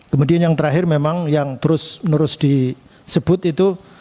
kemudian yang terakhir memang yang terus menerus disebut itu